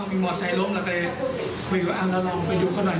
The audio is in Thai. เอามีมอเตอร์ไซค์ล้มเราไปคุยกับอังเราลองไปดูเขาหน่อย